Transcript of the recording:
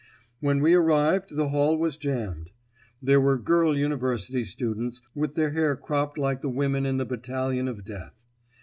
When we arrived the hall was jammed. There were girl university students, with their hair cropped like the women in the Battalion of Death.